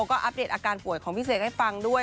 ก็อัปเดตอาการป่วยของพี่เสกให้ฟังด้วย